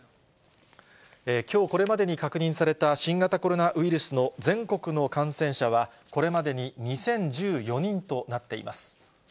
きょうこれまでに確認された新型コロナウイルスの全国の感染者は、これまでに２０１４人となっています。